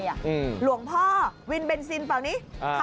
หลวงพ่อวินเบนซินเปล่านี้